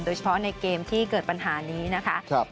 โดยเฉพาะในเกมที่เกิดปัญหานี้นะคะ